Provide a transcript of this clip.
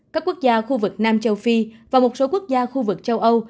các quốc gia khu vực nam châu phi và một số quốc gia khu vực châu âu